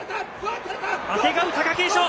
あてがう貴景勝。